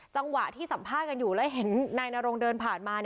จังหวะที่สัมภาษณ์กันอยู่แล้วเห็นนายนรงเดินผ่านมา